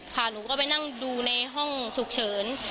หนูก็ไปนั่งดูในห้องฉุกเฉิน